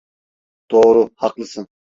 Doğru, haklısın.